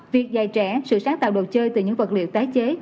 việc dạy trẻ sự sáng tạo đồ chơi từ những vật liệu tái chế